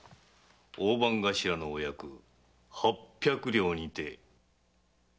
大番頭のお役八百両にて。